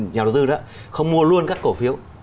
nhà đầu tư đó không mua luôn các cổ phiếu